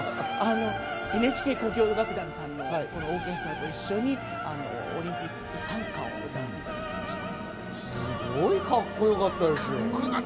ＮＨＫ交響楽団さんのオーケストラと一緒に『オリンピック賛歌』を歌わせていただきました。